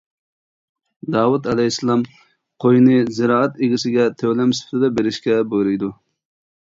داۋۇت ئەلەيھىسسالام قوينى زىرائەت ئىگىسىگە تۆلەم سۈپىتىدە بېرىشكە بۇيرۇيدۇ.